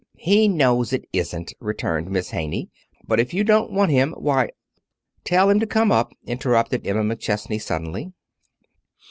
"He knows it isn't," returned Miss Haney. "But if you don't want him, why " "Tell him to come up," interrupted Emma McChesney, suddenly.